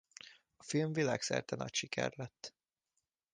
A film világszerte nagy siker lett.